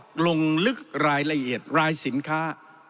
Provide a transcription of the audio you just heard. ลงลึกรายละเอียดรายสินค้า